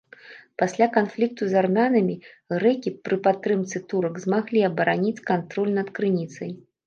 Пасля канфлікту з армянамі, грэкі пры падтрымцы турак змаглі абараніць кантроль над крыніцай.